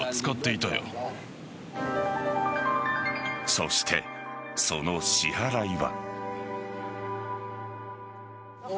そしてその支払いは。